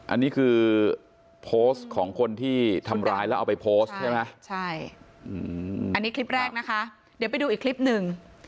อันนี้คือโพสต์ของคนที่ทำร้ายแล้วเอาไปโพสต์ใช่ไหมใช่อันนี้คลิปแรกนะคะเดี๋ยวไปดูอีกคลิปหนึ่ง